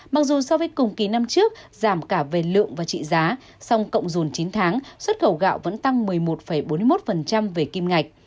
mặc dù so với cùng kỳ năm trước giảm cả về lượng và trị giá song cộng dùn chín tháng xuất khẩu gạo vẫn tăng một mươi một bốn mươi một về kim ngạch